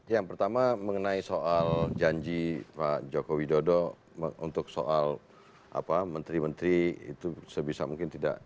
yang pertama mengenai soal janji pak joko widodo untuk soal menteri menteri itu sebisa mungkin tidak